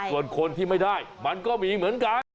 ส่วนคนที่ไม่ได้มันก็มีเหมือนกัน